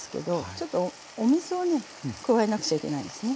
ちょっとお水をね加えなくちゃいけないんですね。